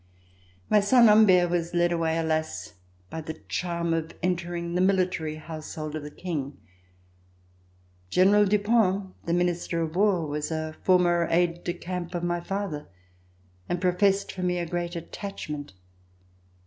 My son Humbert was led away, alas, by the charm of entering the military household of the King. General Dupont, the Minister of War, was a former C392] THE RETURN OF THE KING aide de camp of my father and professed for me a great attachment.